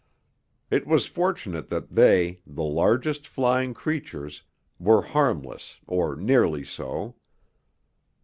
It was fortunate that they, the largest flying creatures, were harmless or nearly so.